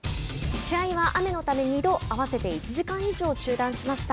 試合は雨のため二度合わせて１時間以上中断しました。